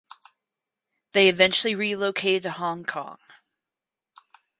They eventually relocated to Hong Kong.